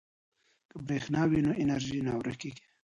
که برښنا وي نو انرژي نه ورکیږي.